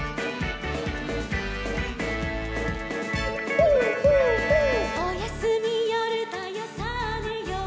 「ホーホーホー」「おやすみよるだよさあねよう」